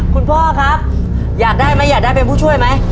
พ่อครับอยากได้ไหมอยากได้เป็นผู้ช่วยไหม